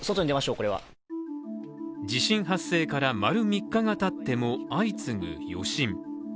地震発生から丸３日がたっても相次ぐ余震。